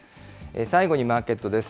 最後にマーケットです。